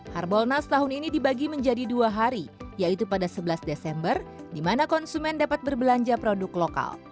harbolnas tahun ini dibagi menjadi dua hari yaitu pada sebelas desember di mana konsumen dapat berbelanja produk lokal